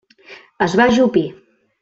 Es va ajupir.